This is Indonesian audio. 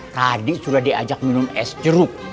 tadi sudah diajak minum es jeruk